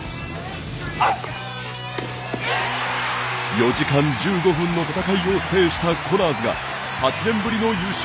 ４時間１５分の戦いを制したコナーズが、８年ぶりの優勝。